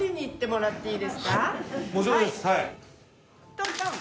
トントン。